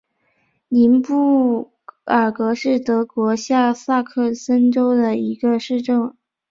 宁布尔格是德国下萨克森州的一个市镇。